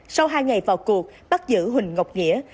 sau hai ngày vào cuộc bắt giữ huỳnh ngọc nghĩa